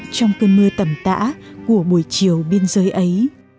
trong cơn mưa tầm tã của buổi chiều biên giới ấy